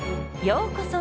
ようこそ！